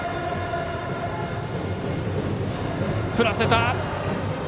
振らせた！